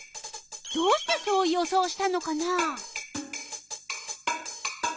どうしてそう予想したのかな？